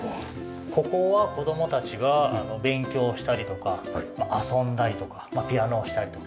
ここは子供たちが勉強したりとか遊んだりとかピアノをしたりとか。